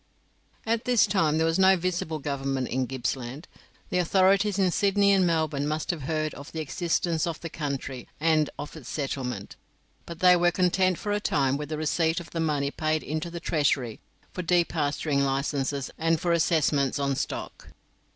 At this time there was no visible government in Gippsland. The authorities in Sydney and Melbourne must have heard of the existence of the country and of its settlement, but they were content for a time with the receipt of the money paid into the Treasury for depasturing licenses and for assessments on stock.